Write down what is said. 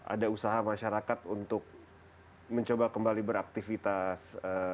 ada usaha masyarakat untuk mencoba kembali beraktivitas